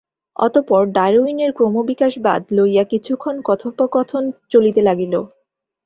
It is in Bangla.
অতঃপর ডারুইনের ক্রমবিকাশবাদ লইয়া কিছুক্ষণ কথোপকথন চলিতে লাগিল।